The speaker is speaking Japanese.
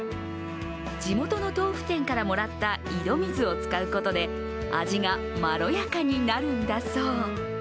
地元の豆腐店からもらった井戸水を使うことで味がまろやかになるんだそう。